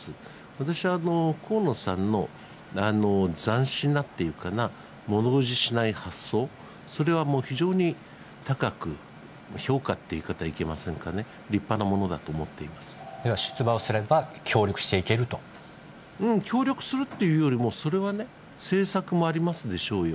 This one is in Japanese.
私は河野さんの斬新なっていうかな、ものおじしない発想、それは非常に高く評価っていう言い方はいけませんかね、立派なも出馬をすれば協力していける協力するっていうよりも、それはね、政策もありますでしょうよ。